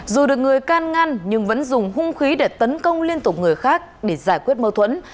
dù được người can ngăn nhưng vẫn dùng hung khí để tấn công liên tục người khác để giải quyết mâu thuẫn